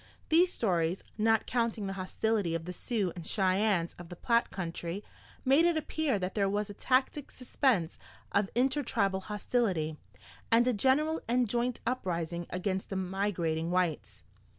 These stories, not counting the hostility of the Sioux and Cheyennes of the Platte country, made it appear that there was a tacit suspense of intertribal hostility, and a general and joint uprising against the migrating whites.